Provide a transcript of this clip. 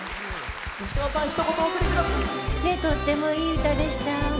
とってもいい歌でした。